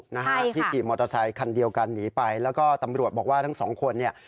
นะฮะที่ขี่มอเตอร์ไซคันเดียวกันหนีไปแล้วก็ตำรวจบอกว่าทั้งสองคนเนี่ย